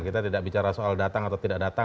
kita tidak bicara soal datang atau tidak datang